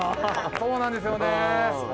そうなんですよね。